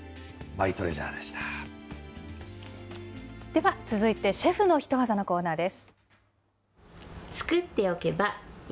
では続いて、シェフのヒトワザのコーナーです。